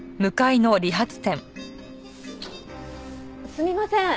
すみません。